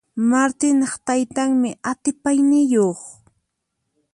Martinaq taytanmi atipayniyuq.